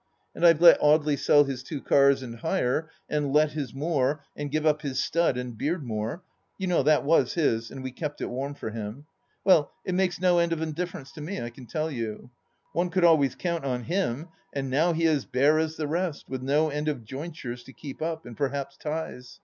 And I've let Audely sell his two cars and hire, and let his moor, and give up his stud, and Beardmore — ^you know that was his, and we kept it warm for him ! Well, it makes no end of a difference to me, I can tell you ! One could always count on him, and now he is bare as the rest, with no end of jointures to keep up, and perhaps ties.